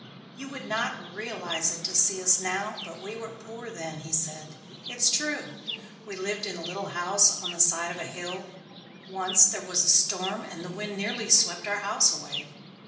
"You would not realize it to see us now but we were poor then," he said. "It's true. We lived in a little house on the side of a hill. Once when there was a storm the wind nearly swept our house away.